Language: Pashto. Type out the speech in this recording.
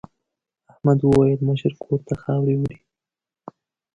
احمد وویل د مشر کور ته خاورې وړي.